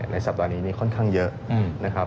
สัปดาห์นี้ค่อนข้างเยอะนะครับ